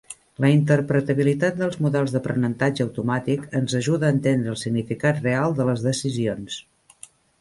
La interpretabilitat dels models d'aprenentatge automàtic ens ajuda a entendre el significat real de les decisions.